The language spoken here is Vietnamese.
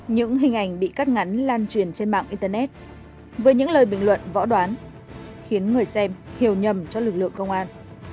những hình ảnh bị cắt ngắn lan truyền trên mạng internet với những lời bình luận võ đoán khiến người xem hiểu nhầm cho lực lượng công an